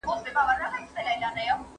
د ښار ژوند ته بايد نظم ورکړل سي.